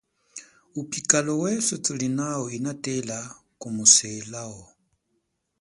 Upikalo weswe tulinao inatela kumuselao.